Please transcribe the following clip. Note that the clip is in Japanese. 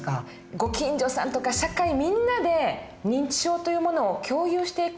ご近所さんとか社会みんなで認知症というものを共有していく事も大事ですね。